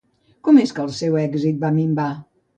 Com és que el seu èxit va minvar?